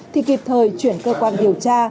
thì kịp thời chuyển cơ quan điều tra